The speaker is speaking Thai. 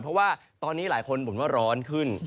เพราะว่าตอนนี้หลายคนบ่นว่าร้อนขึ้น